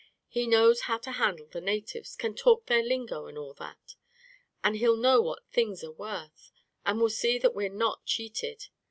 He knows how to handle the natives — can talk their lingo and all that. And he'll know what things are worth, and will see that we're not cheated.